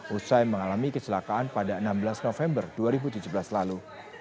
usai mengalami kecelakaan pada enam belas november dua ribu tujuh belas lalu